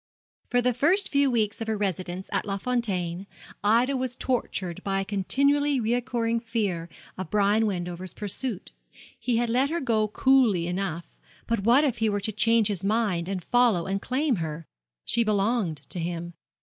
For the first few weeks of her residence at Les Fontaines, Ida was tortured by a continually recurring fear of Brian Wendover's pursuit. He had let her go coolly enough; but what if he were to change his mind and follow and claim her? She belonged to him.